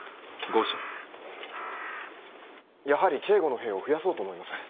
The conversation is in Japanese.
やはり警固の兵を増やそうと思います。